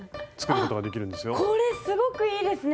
これすごくいいですね！